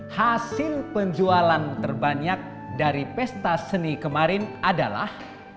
hasil penjualan terbanyak dari pesta seni kemarin adalah